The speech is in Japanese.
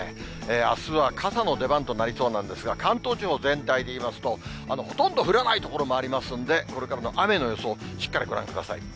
あすは傘の出番となりそうなんですが、関東地方全体でいいますと、ほとんど降らない所もありますんで、これからの雨の予想、しっかりご覧ください。